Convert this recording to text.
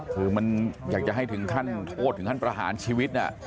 คือมันอยากจะให้ถึงขั้นโทษถึงขั้นประหารชีวิต